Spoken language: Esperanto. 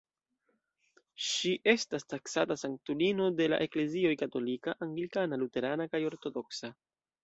Ŝi estas taksata sanktulino de la eklezioj katolika, anglikana, luterana kaj ortodoksa.